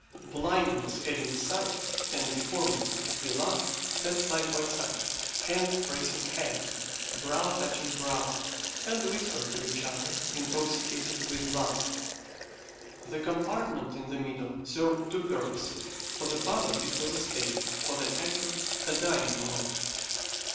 Blindness having sight and deformity beloved sat side by side, hand pressing hand, brow touching brow, and whispered to each other, intoxicated with love. The compartment in the middle served two purposes for the public it was a stage, for the actors a dining room.